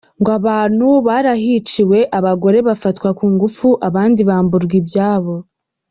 Ngo abantu barahiciwe, abagore bafatwa ku ngufu abandi bamburwa ibyabo.